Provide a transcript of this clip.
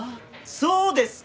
そうですか！